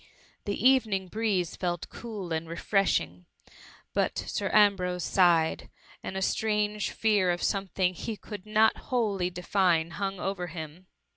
The evening breeze felt cool and refreshing; but Sir Ambrose sighed, and a strange fear of something he could not wholly define hung over him.